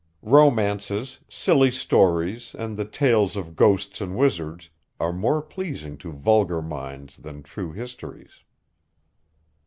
Romances, silly stories, and the tales of ghosts and wizards, are more pleasing to vulgar minds than true histories.